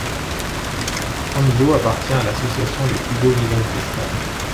Ansó appartient à l'association Les Plus Beaux Villages d'Espagne.